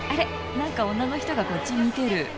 なんか女の人がこっち見てる。